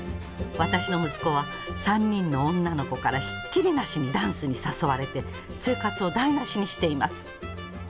私の息子は３人の女の子からひっきりなしにダンスに誘われて生活を台なしにしています。